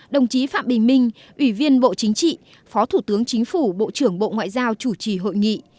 đồng chí phạm bình minh ủy viên bộ chính trị phó thủ tướng chính phủ bộ trưởng bộ ngoại giao chủ trì hội nghị